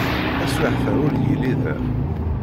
Taswiɛt-a ur yelli da.